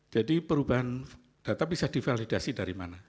jadi perubahan data bisa divalidasi dari mana